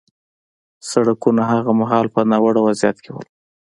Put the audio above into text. سړکونه هغه مهال په ناوړه وضعیت کې وو